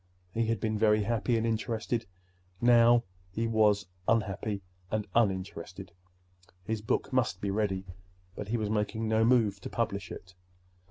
He had been very happy and interested. Now he was unhappy and uninterested. His book must be ready, but he was making no move to publish it.